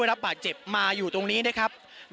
ไม่ทราบว่าตอนนี้มีการถูกยิงด้วยหรือเปล่านะครับ